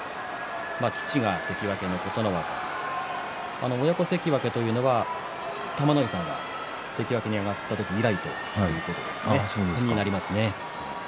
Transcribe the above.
父が関脇の琴ノ若親子関脇というのは玉ノ井さんが関脇に上がった時以来ということですね。